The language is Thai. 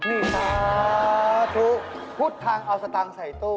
นี่สาธุพุทธทางเอาสตางค์ใส่ตู้